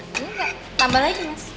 nggak tambah lagi mas